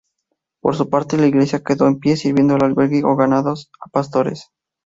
Por suerte, la iglesia quedó en pie, sirviendo de albergue a ganados y pastores.